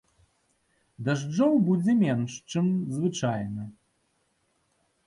Дажджоў будзе менш, чым звычайна.